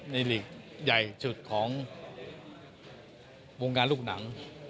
หลีกใหญ่สุดของวงการลูกหนัง